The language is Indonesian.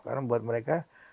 karena buat mereka